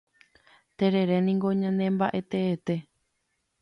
Terere niko ñanembaʼe teete.